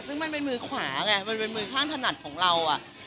ซึ่งมันเป็นมือขวาไงมันเป็นมือข้างถนัดของเรา